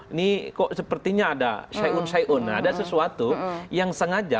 ini kok sepertinya ada syaiun syaiun ada sesuatu yang sengaja